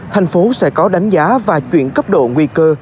thành phố sẽ có đánh giá và chuyển cấp độ nguy cơ